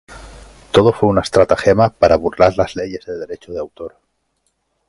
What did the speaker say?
Todo fue una estratagema para burlar las leyes de derecho de autor.